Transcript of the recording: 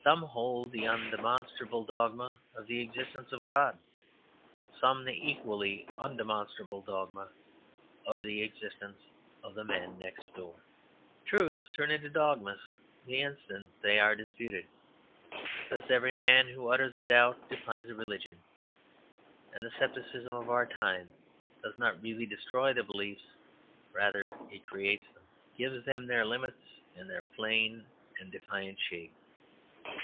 Some hold the undemonstrable dogma of the existence of God; some the equally undemonstrable dogma of the existence of the man next door. Truths turn into dogmas the instant that they are disputed. Thus every man who utters a doubt defines a religion. And the scepticism of our time does not really destroy the beliefs, rather it creates them; gives them their limits and their plain and defiant shape.